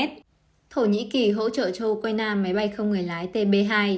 thổ nhĩ kỳ hỗ trợ cho ukraine máy bay không người lái tb hai